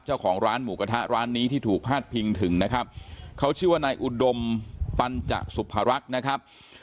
เจ้าของร้านหมูกระทะร้านนี้ที่ถูกพาดพิงถึงนะครับเขาชื่อว่านายอุดมปัญจสุภรักษ์นะครับ